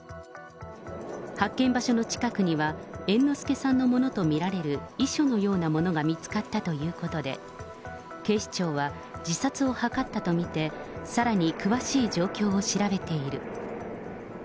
発見場所の近くには、猿之助さんのものと見られる遺書のようなものが見つかったということで、警視庁は自殺を図ったと見て、さらに詳しい状況を調べている。